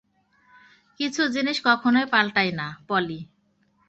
কিছু জিনিস কখনোই পাল্টায় না, পলি।